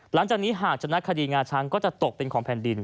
หลังจากนี้หากชนะคดีงาช้างก็จะตกเป็นของแผ่นดิน